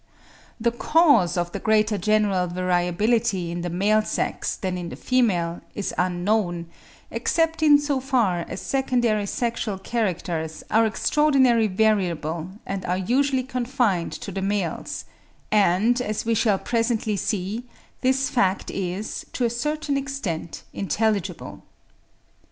1st, 1874, p. 97.) The cause of the greater general variability in the male sex, than in the female is unknown, except in so far as secondary sexual characters are extraordinarily variable, and are usually confined to the males; and, as we shall presently see, this fact is, to a certain extent, intelligible.